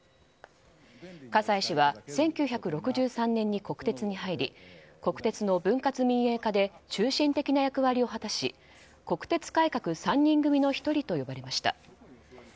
葛西氏は１９６３年に国鉄に入り国鉄の分割民営化で中心的な役割を果たし国鉄改革３人組の１人と呼ばれました。